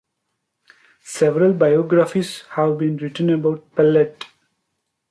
Several biographies have been written about Pellatt.